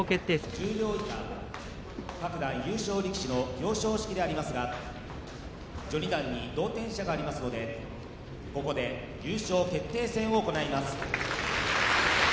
十両以下各段優勝力士の表彰式でありますが序二段に同点者がありますのでここで優勝決定戦を行います。